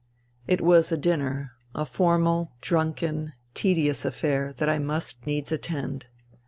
It was a dinner, a formal, drunken, tedious affair that I must needs attend.